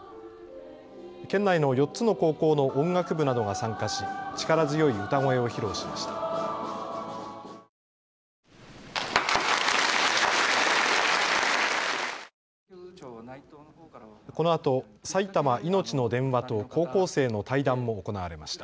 県内の４つの高校の音楽部などが参加し力強い歌声を披露しました。